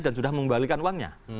dan sudah membalikan uangnya